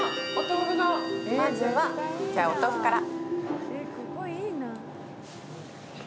まずは、じゃあ、お豆腐から。